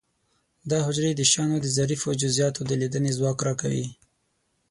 دا حجرې د شیانو د ظریفو جزئیاتو د لیدلو ځواک را کوي.